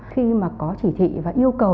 khi mà có chỉ thị và yêu cầu